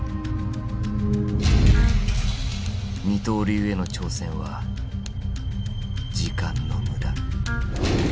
二刀流への挑戦は時間のむだ。